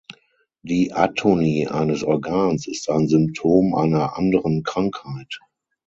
Die Atonie eines Organs ist ein Symptom einer anderen Krankheit.